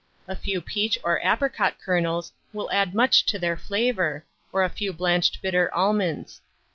A few peach or apricot kernels will add much to their flavour, or a few blanched bitter almonds.